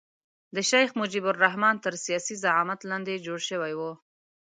د شیخ مجیب الرحمن تر سیاسي زعامت لاندې جوړ شوی وو.